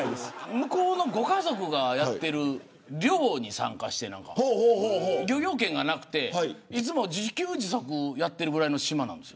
向こうのご家族がやっている漁に参加して漁業権がなくて、いつも自給自足やっているぐらいの島なんです。